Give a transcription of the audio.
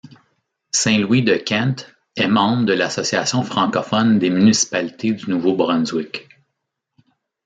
Saint-Louis-de-Kent est membre de l'Association francophone des municipalités du Nouveau-Brunswick.